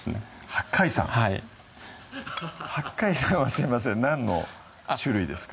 「八海山」「八海山」はすいません何の種類ですか？